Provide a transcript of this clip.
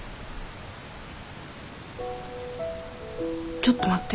ちょっと待って。